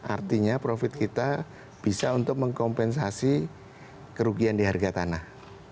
artinya profit kita bisa untuk mengkompensasi kerugian di harga tanah